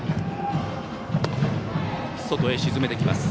外へ沈めてきます。